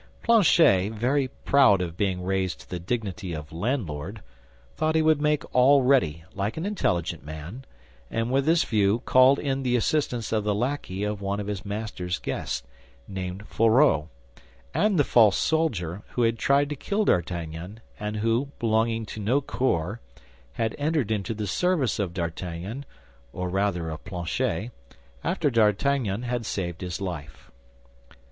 Planchet, very proud of being raised to the dignity of landlord, thought he would make all ready, like an intelligent man; and with this view called in the assistance of the lackey of one of his master's guests, named Fourreau, and the false soldier who had tried to kill D'Artagnan and who, belonging to no corps, had entered into the service of D'Artagnan, or rather of Planchet, after D'Artagnan had saved his life.